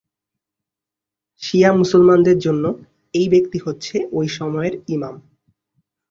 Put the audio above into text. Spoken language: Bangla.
শিয়া মুসলমানদের জন্য, এই ব্যক্তি হচ্ছে ঐ সময়ের ইমাম।